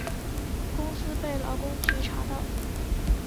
公司被劳工局查到